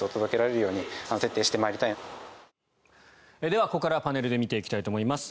では、ここからはパネルで見ていきたいと思います。